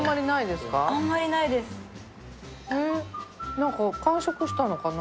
何か完食したのかな。